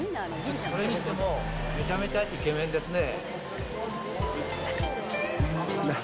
それにしてもめちゃめちゃイケメンですね。